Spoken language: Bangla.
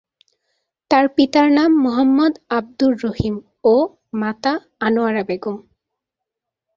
তার পিতার নাম মোহাম্মদ আব্দুর রহিম ও মাতা আনোয়ারা বেগম।